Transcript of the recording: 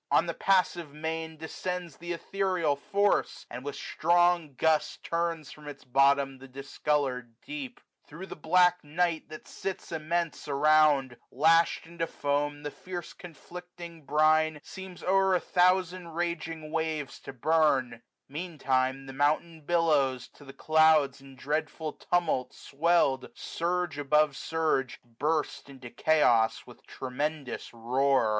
On the passive main 155 Descends th* ethereal force, and with strong gust Turns from its bottom the discoloured deep. Thro' the bl^k night that sits immense around, Lash'd into foam, the fierce conflicting brine Seems o'er a thousand raging waves to burn : i6<$ Mean time the mountain billows, to the clouds In dreadful tumult swellM, surge above surge^ Burst into chaos with tremendous roar.